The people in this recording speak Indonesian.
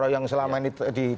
yang selama ini